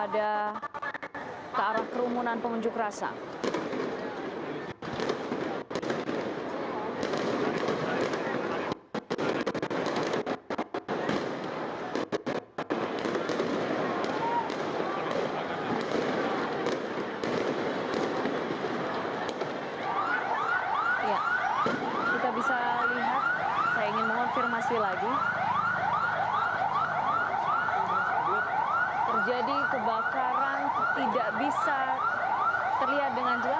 dua gambar ini adalah gambar terbaru